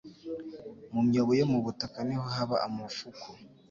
Mu myobo yo mu butaka niho haba amafuku